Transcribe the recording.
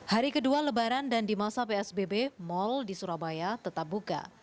hari kedua lebaran dan di masa psbb mal di surabaya tetap buka